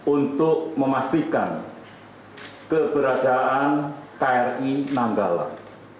untuk memastikan keberadaan kri nanggala